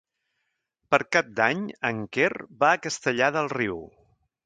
Per Cap d'Any en Quer va a Castellar del Riu.